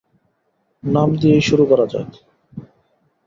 নাম দিয়েই শুরু করা যাক।